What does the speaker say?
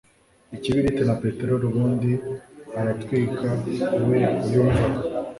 ikibiriti na peterori ubundi aratwika we yumvaga